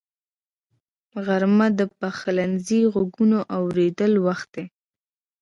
غرمه د پخلنځي غږونو اورېدو وخت دی